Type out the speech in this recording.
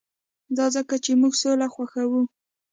دا ځکه چې موږ سوله خوښوو